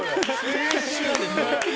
青春！